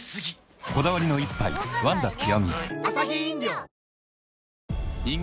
こだわりの一杯「ワンダ極」